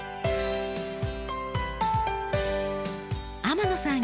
天野さん